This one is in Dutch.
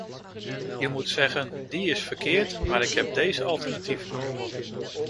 Je moet zeggen: die is verkeerd, maar ik heb deze alternatieven.